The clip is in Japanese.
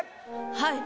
はい。